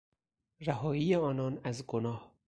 رهایی آنان از گناه